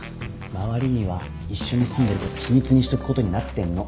周りには一緒に住んでること秘密にしとくことになってんの。